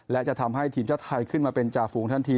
และจะทำให้ทีมชาติไทยขึ้นมาเป็นจ่าฝูงทันที